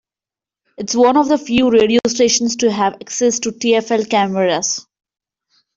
It's one of the few radio stations to have access to TfL cameras.